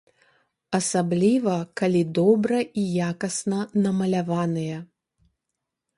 Асабліва калі добра і якасна намаляваныя.